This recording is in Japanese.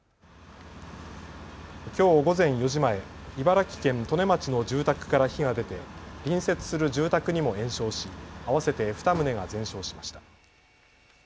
きょう午前４時前、茨城県利根町の住宅から火が出て隣接する住宅にも延焼し合わせて２棟が全焼しました。